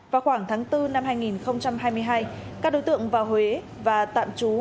vào khoảng tháng bốn năm hai nghìn hai mươi hai các đối tượng vào huế và tạm trú